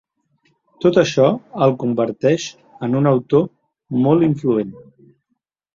Tot això el converteix en un autor molt influent.